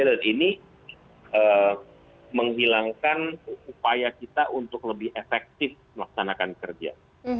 dan ini menghilangkan upaya kita untuk lebih efektif melaksanakan kerja